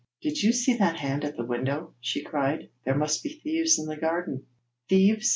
'Did you see that hand at the window?' she cried. 'There must be thieves in the garden!' 'Thieves!'